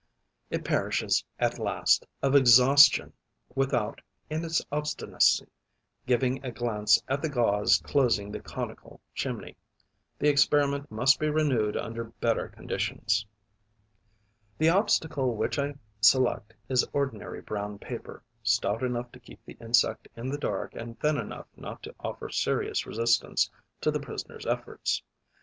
It perishes, at last, of exhaustion, without, in its obstinacy, giving a glance at the gauze closing the conical chimney. The experiment must be renewed under better conditions. The obstacle which I select is ordinary brown paper, stout enough to keep the insect in the dark and thin enough not to offer serious resistance to the prisoner's efforts.